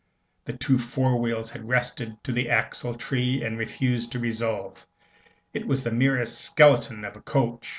The two fore wheels had rusted to the axle tree, and refused to revolve. It was the merest skeleton of a coach.